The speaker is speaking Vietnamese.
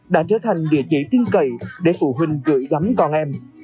đã trở thành địa chỉ tiên cầy để phụ huynh gửi gắm con em